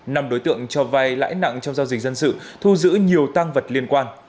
nằm đối tượng cho vay lãi nặng trong giao dịch dân sự thu giữ nhiều tăng vật liên quan